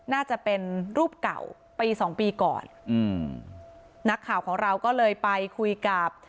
น่าจะเป็นรูปเก่าปีสองปีก่อนอืมนักข่าวของเราก็เลยไปคุยกับ